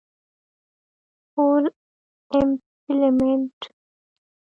Full Employment